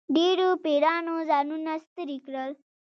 ډېرو پیرانو ځانونه ستړي کړل.